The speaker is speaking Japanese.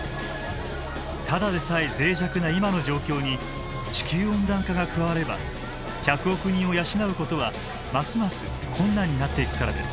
ただでさえ脆弱な今の状況に地球温暖化が加われば１００億人を養うことはますます困難になっていくからです。